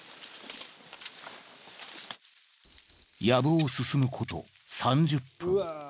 藪を進むこと３０分。